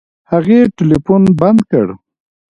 هغې ټلفون بند کړ.